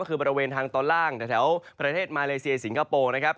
ก็คือบริเวณทางตอนล่างแถวประเทศมาเลเซียสิงคโปร์นะครับ